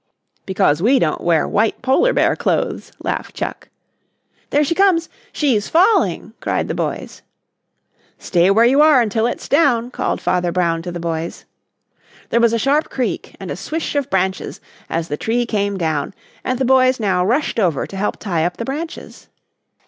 "Because we don't wear white Polar bear clothes," laughed Chuck. "There she comes, she's falling!" cried the boys. "Stay where you are until it's down," called Father Brown to the boys. [Illustration: "There she comes! She's falling!" cried the boys.] There was a sharp creak and a swish of branches as the tree came down, and the boys now rushed over to help tie up the branches.